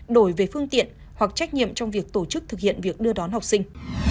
đổi về phương tiện hoặc trách nhiệm trong việc tổ chức thực hiện việc đưa đón học sinh